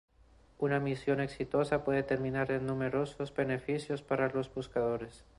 Una misión exitosa puede terminar en numerosos beneficios para los buscadores.